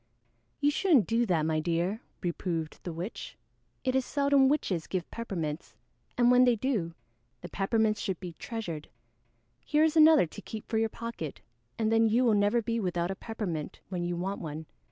"You shouldn't do that, my dear," reproved the witch. "It is seldom witches give peppermints, and when they do the peppermints should be treasured. Here is another to keep for your pocket, and then you will never be without a peppermint when you want one."